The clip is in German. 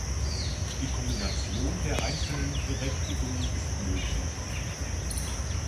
Die Kombination der einzelnen Berechtigungen ist möglich.